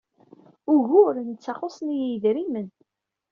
Ugur netta xuṣṣen-iyi yedrimen.